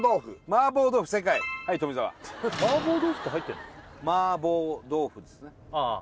マーボー豆腐ですねああ